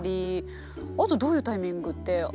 あとどういうタイミングってありますかね？